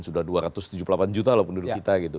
sudah dua ratus tujuh puluh delapan juta loh penduduk kita gitu